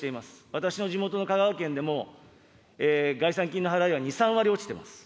私の地元の香川県でも、概算金の払いが２、３割落ちています。